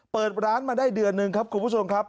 เปิดร้านมาได้เดือนหนึ่งครับคุณผู้ชมครับ